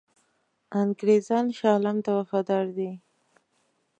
انګرېزان شاه عالم ته وفادار دي.